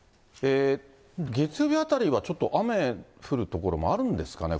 月曜日あたりはちょっと雨降る所もあるんですかね、